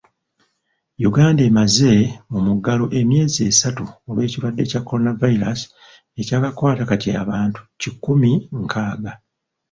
Uganda emaze mu muggalo emyezi esatu olw'ekirwadde kya Coronavirus ekyakakwata kati abantu kikumi nkaaga.